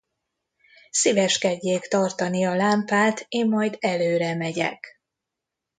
Szíveskedjék tartani a lámpát, én majd előre megyek.